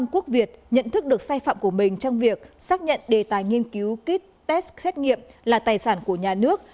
quốc việt nhận thức được sai phạm của mình trong việc xác nhận đề tài nghiên cứu kit test xét nghiệm là tài sản của nhà nước